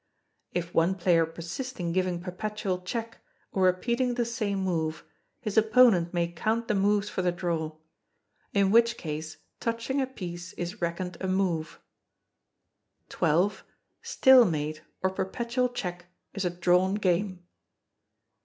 [If one player persist in giving perpetual check, or repeating the same move, his opponent may count the moves for the draw; in which case touching a piece if reckoned a move.] xii. Stalemate, or perpetual check is a drawn game.